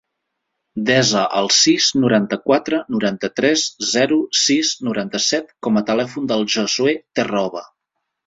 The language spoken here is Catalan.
Desa el sis, noranta-quatre, noranta-tres, zero, sis, noranta-set com a telèfon del Josuè Terroba.